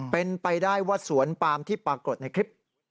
เป็นไปได้ว่าสวนปามที่ปรากฏในคลิป